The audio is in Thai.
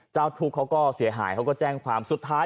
เจ้าทุกข์เขาก็เสียหายเขาก็แจ้งความสุดท้าย